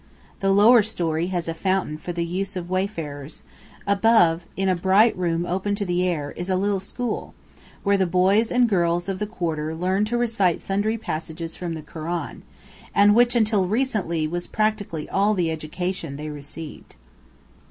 The lower story has a fountain for the use of wayfarers; above, in a bright room open to the air, is a little school, where the boys and girls of the quarter learn to recite sundry passages from the Koran, and which until recently was practically all the education they received.